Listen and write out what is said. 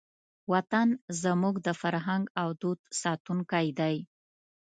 وطن زموږ د فرهنګ او دود ساتونکی دی.